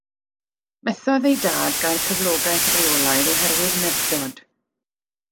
Methodd ei dad gael cyflogaeth reolaidd oherwydd meddwdod.